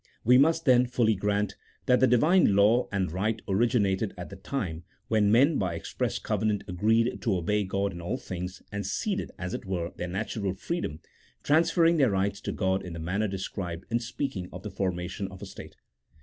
We must, then, fully grant that the Divine law and right originated at the time when men by express covenant agreed to obey God in all things, and ceded, as it were, their natural freedom, transferring their rights to God in the manner described in speaking of the formation of a state.